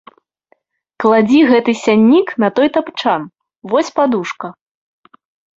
Кладзі гэты сяннік на той тапчан, вось падушка.